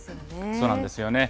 そうなんですよね。